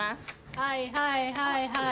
はいはいはいはい。